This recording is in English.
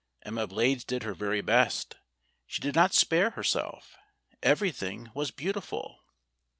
Emma Blades did her very best. She did not spare herself. Everything was beautiful.